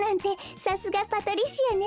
さすがパトリシアね。